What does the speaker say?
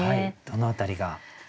どの辺りが？